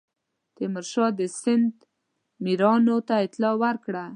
تیمورشاه د سند میرانو ته اطلاع ورکړه.